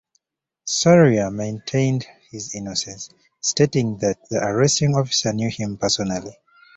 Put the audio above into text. Sarria maintained his innocence, stating that the arresting officer knew him personally.